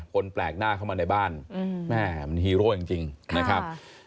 คนแปลกหน้าเข้ามาในบ้านแม่มันฮีโร่จริงนะครับ